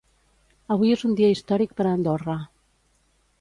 Avui és un dia històric per a Andorra.